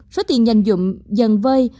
số tiền nhanh dụng dần vơi